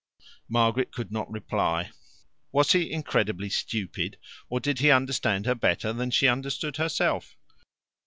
Margaret could not reply. Was he incredibly stupid, or did he understand her better than she understood herself?